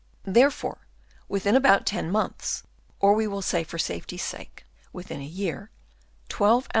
Therefore within about ten months, or we will say for safety's sake within a year, 12 oz.